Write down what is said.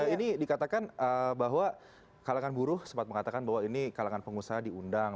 ini dikatakan bahwa kalangan buruh sempat mengatakan bahwa ini kalangan pengusaha diundang